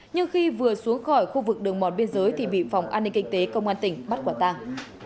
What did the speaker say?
nhưng khi vừa xuống khỏi khu vực đường mòn biên giới thì bị phòng an ninh kinh tế công an tỉnh bắt quả tàng